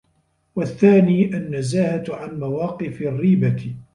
وَالثَّانِي النَّزَاهَةُ عَنْ مَوَاقِفِ الرِّيبَةِ